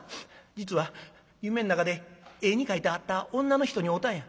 「実は夢ん中で絵に描いてあった女の人に会うたんや。